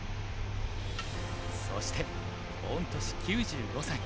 そして御年９５歳。